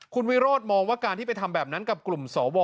คุณวิโรธมองว่าการที่ไปทำแบบนั้นกับกลุ่มสว